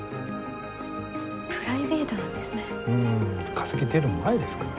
プライベートなんですね。